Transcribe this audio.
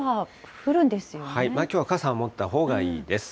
きょうは傘持ったほうがいいです。